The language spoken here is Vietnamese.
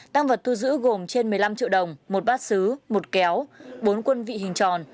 tăng vật thu giữ gồm trên một mươi năm triệu đồng một bát xứ một kéo bốn quân vị hình tròn